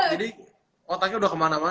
jadi otaknya udah kemana mana